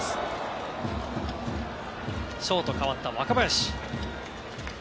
ショート、代わった若林。